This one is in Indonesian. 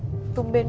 ya kita aneh banget